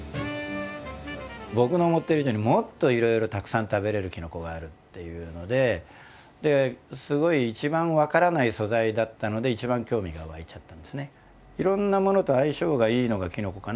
僕の思ってる以上にもっといろいろたくさん食べれるきのこがあるっていうのですごい一番分からない素材だったので一番興味が湧いちゃったんですね。